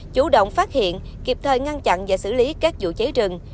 chủ động phát hiện kịp thời ngăn chặn và xử lý các vụ cháy rừng